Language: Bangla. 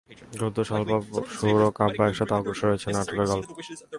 গদ্য সংলাপ, সুর ও কাব্য নিয়ে একসাথে অগ্রসর হয়েছে নাটকের গল্প।